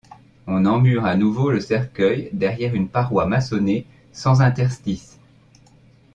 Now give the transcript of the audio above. On emmure à nouveau le cercueil derrière une paroi maçonnée sans interstices.